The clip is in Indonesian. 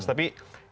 ini ada juga pembantu